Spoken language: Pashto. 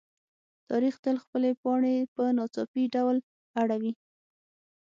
تاریخ تل خپلې پاڼې په ناڅاپي ډول اړوي.